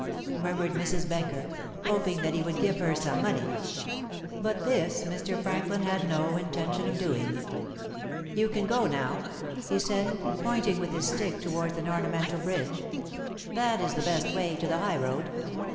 murmured Mrs. Benker, hoping that he would give her some money. But this Mr. Franklin had no intention of doing. "You can go now," he said, pointing with his stick towards an ornamental bridge; "that is the best way to the high road.